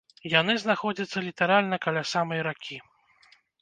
Яны знаходзяцца літаральна каля самай ракі.